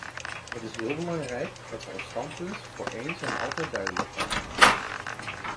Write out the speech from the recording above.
Het is heel belangrijk dat we ons standpunt voor eens en altijd duidelijk maken.